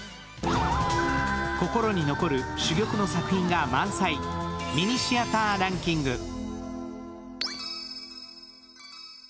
心に残る珠玉の作品が満載、ミニシアターランキング。